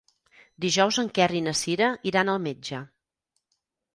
Dijous en Quer i na Cira iran al metge.